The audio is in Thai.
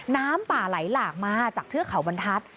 น้ำป่าไหลหลากมาจากเทือกเขาบรรทัศน์